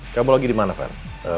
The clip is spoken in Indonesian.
kamu lagi di mana var